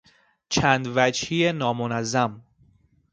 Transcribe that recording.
چندوجهی نامنظم